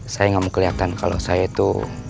saya nggak mau kelihatan kalau saya itu